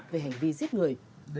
về hành vi giết người